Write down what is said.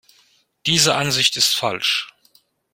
Diese Ansicht ist falsch.